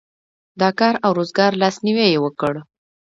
د کار او روزګار لاسنیوی یې وکړ.